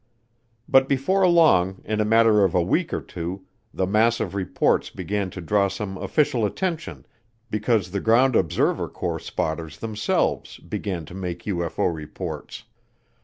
But before long, in a matter of a week or two, the mass of reports began to draw some official attention because the Ground Observer Corps spotters themselves began to make UFO reports.